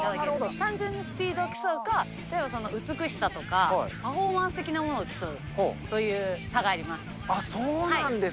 単純にスピードを競うか、例えば美しさとか、パフォーマンス的なものを競うという差があります。